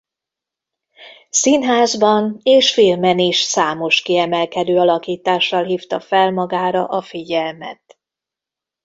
Színházban és filmen is számos kiemelkedő alakítással hívta fel magára a figyelmet.